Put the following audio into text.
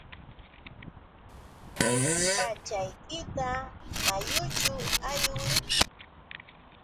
Pachaykita mayućhu aywiy.